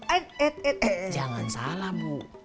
eh eh jangan salah bu